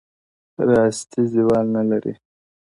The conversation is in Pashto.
راستي زوال نه لري.